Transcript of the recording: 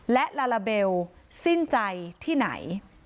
และลาลาเบลสิ้นใจที่ไหน